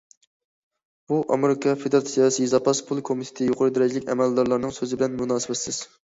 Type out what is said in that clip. بۇ ئامېرىكا فېدېراتسىيە زاپاس پۇل كومىتېتى يۇقىرى دەرىجىلىك ئەمەلدارلىرىنىڭ سۆزى بىلەن مۇناسىۋەتسىز.